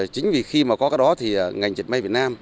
chính vì khi có các đó ngành dân may việt nam